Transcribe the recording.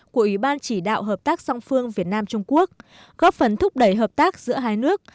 của ủy ban chỉ đạo hợp tác song phương việt nam trung quốc góp phần thúc đẩy hợp tác giữa hai nước